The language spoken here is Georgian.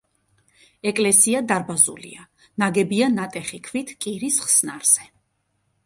ეკლესია დარბაზულია, ნაგებია ნატეხი ქვით კირის ხსნარზე.